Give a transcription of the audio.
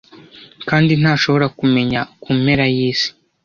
kandi ntashobora kumenya kumpera yisi